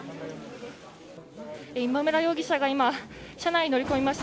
今村容疑者が今車内に乗り込みました。